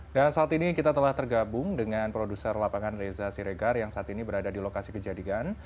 dan saat ini kita telah tergabung dengan produser lapangan reza siregar yang saat ini berada di lokasi kejadian